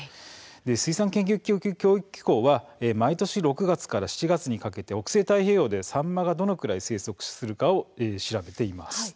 水産研究・教育機構は毎年６月から７月にかけて北西太平洋でサンマがどのくらい生息するかを調べています。